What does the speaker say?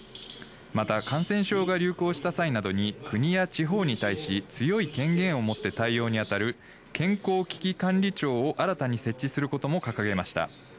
また感染症が流行した際などに国や地方に対し強い権限をもって対応に当たる健康危機管理庁を新たに設置することも掲げました。